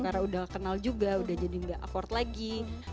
karena udah kenal juga udah jadi gak akhort lagi